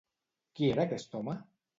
Qui era aquest home?